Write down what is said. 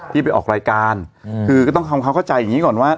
ไปออกรายการคือก็ต้องทำความเข้าใจอย่างนี้ก่อนว่า